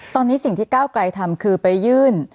ตอนนี้สิ่งที่ก้าวไกลทำคือไปยื่น